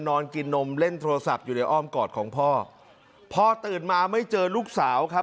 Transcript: นอนกินนมเล่นโทรศัพท์อยู่ในอ้อมกอดของพ่อพ่อตื่นมาไม่เจอลูกสาวครับ